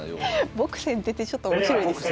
「ぼく先手」ってちょっと面白いですね。